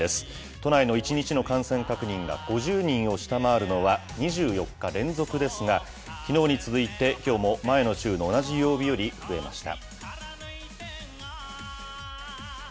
都内の１日の感染確認が５０人を下回るのは２４日連続ですが、きのうに続いて、きょうも前の週の同じ曜日より増えました。